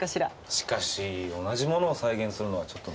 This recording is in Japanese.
しかし同じものを再現するのはちょっと難しいかな。